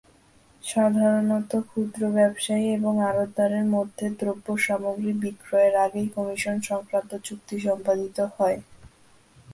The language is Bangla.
সাধারণত ক্ষুদ্র ব্যবসায়ী এবং আড়তদারের মধ্যে দ্রব্যসামগ্রী বিক্রয়ের আগেই কমিশন সংক্রান্ত চুক্তি সস্পাদিত হয়।